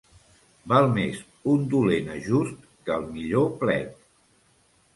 Val més un dolent ajust que el millor plet.